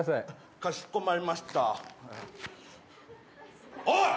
かしこまりました、おい！